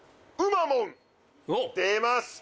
出ました！